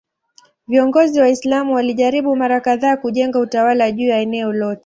Viongozi Waislamu walijaribu mara kadhaa kujenga utawala juu ya eneo lote.